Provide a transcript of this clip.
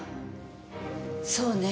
そうね。